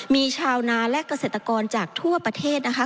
มีชาวนาและเกษตรกรจากทั่วประเทศนะคะ